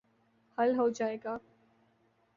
حل ہو جائے گا۔